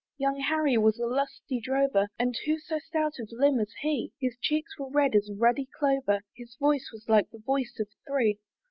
Young Harry was a lusty drover, And who so stout of limb as he? His cheeks were red as ruddy clover, His voice was like the voice of three.